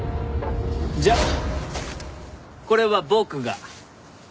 じゃあこれは僕が。